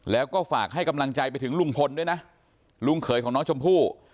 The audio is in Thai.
แล้วก็ฝากให้กำลังใจไปถึงลุงพลด้วยนะลุงเขยของน้องชมพู่